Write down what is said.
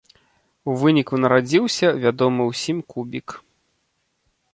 У выніку нарадзіўся вядомы ўсім кубік.